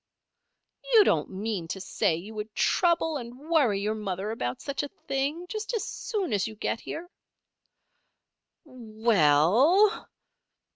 "You don't mean to say you would trouble and worry your mother about such a thing, just as soon as you get here?" "We ell!"